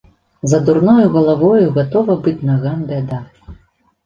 За дурною галавою гатова быць нагам бяда.